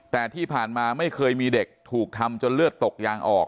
แต่ที่ผ่านมาไม่เคยมีเด็กถูกทำจนเลือดตกยางออก